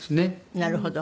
なるほど。